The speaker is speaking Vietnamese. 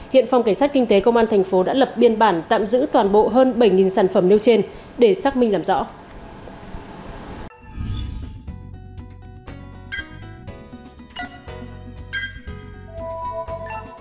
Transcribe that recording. hiện phòng cảnh sát kinh tế công an thành phố đã lập biên bản tạm giữ toàn bộ hơn bảy sản phẩm nêu trên để xác minh làm rõ